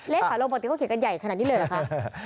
ฝาลงปกติเขาเขียนกันใหญ่ขนาดนี้เลยเหรอคะ